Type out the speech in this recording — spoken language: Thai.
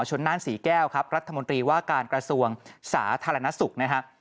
นั่นศรีแก้วครับรัฐมนตรีว่าการกระทรวงสาธารณสุขนะฮะ